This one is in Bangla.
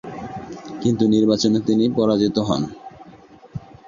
কিন্তু নির্বাচনে তিনি পরাজিত হন।